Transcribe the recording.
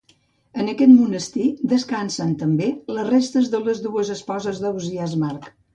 En aquest monestir, descansen també les restes de les dues esposes d'Ausiàs March.